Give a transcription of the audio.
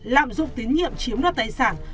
lạm dụng tín nhiệm chiếm đoạt tài sản